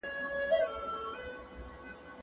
زه اوس سبا ته پلان جوړوم